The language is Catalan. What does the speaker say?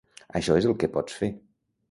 Això és el que pots fer.